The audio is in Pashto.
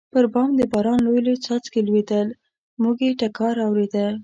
پر بام د باران لوی لوی څاڅکي لوېدل، موږ یې ټکهار اورېده.